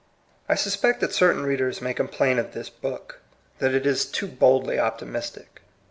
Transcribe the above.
I STTSPBCT that certain readers may com plain of this book, that it is too boldly optimistic.